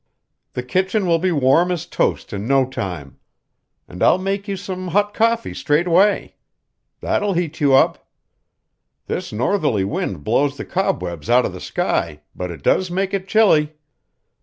"The kitchen will be warm as toast in no time. An' I'll make you some hot coffee straight away. That will heat you up. This northerly wind blows the cobwebs out of the sky, but it does make it chilly."